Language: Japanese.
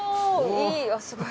いいあっすごい」